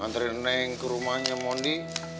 antre neng ke rumahnya mondi